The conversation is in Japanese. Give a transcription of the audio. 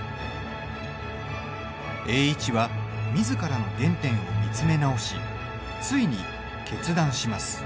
栄一はみずからの原点を見つめ直し、ついに決断します。